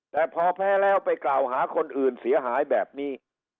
แต่พอแพ้แล้วไปกล่าวหาคนอื่นเสียหายแบบนี้